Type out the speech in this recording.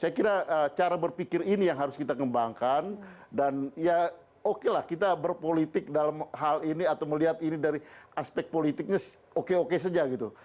saya kira cara berpikir ini yang harus kita kembangkan dan ya oke lah kita berpolitik dalam hal ini atau melihat ini dari aspek politiknya oke oke saja gitu